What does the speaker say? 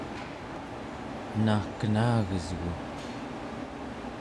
ena kenagesgu!